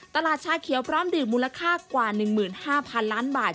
ชาเขียวพร้อมดื่มมูลค่ากว่า๑๕๐๐๐ล้านบาท